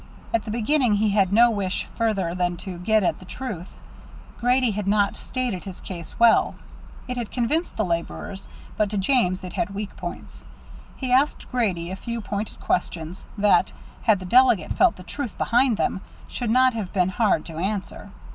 At the beginning he had no wish further than to get at the truth. Grady had not stated his case well. It had convinced the laborers, but to James it had weak points. He asked Grady a few pointed questions, that, had the delegate felt the truth behind him, should not have been hard to answer.